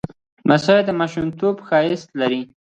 لمسی د ماشومتوب ښایست لري.